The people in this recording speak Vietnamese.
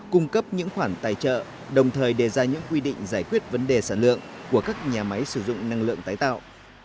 cung cấp những khoản tài trợ đồng thời đề ra những quy định giải quyết vấn đề sản lượng của các nhà máy sử dụng năng lượng tái tạo